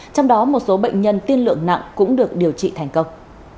trong đó một số bệnh nhân tiên lượng nặng cũng được điều trị thành công